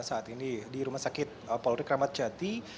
saat ini di rumah sakit polri kramat jati